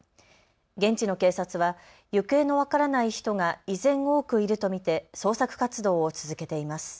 現地の警察は行方の分からない人が依然多くいると見て捜索活動を続けています。